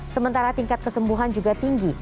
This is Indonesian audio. sementara tingkat kesembuhan juga tinggi